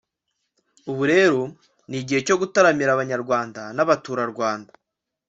ubu rero ni igihe cyo gutaramira abanyaRwanda n'abatura Rwanda